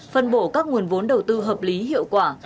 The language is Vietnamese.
phân bổ các nguồn vốn đầu tư hợp lý hiệu quả